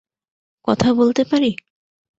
কথা বলতে পারি?